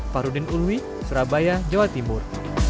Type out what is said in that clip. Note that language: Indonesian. farudin ulwi surabaya jawa timur